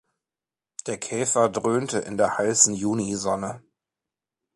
Der Käfer dröhnte in der heißen Junisonne.